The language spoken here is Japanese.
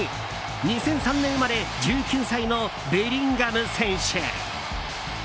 ２００３年生まれ１９歳のベリンガム選手。